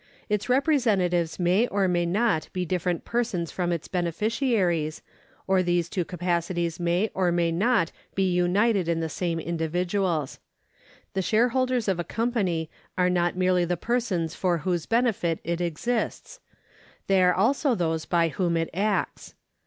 Its representatives may or may not be different persons from its beneficiaries, for these two capacities may or may not be united in the same individuals. The shareholders of a company are not merely the persons for whose benefit it exists ; they are also those by whom it acts.